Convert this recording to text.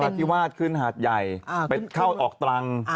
ธิวาสขึ้นหาดใหญ่ไปเข้าออกตรัง